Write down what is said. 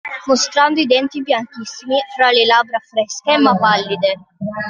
Mostrando i denti bianchissimi fra le labbra fresche ma pallide.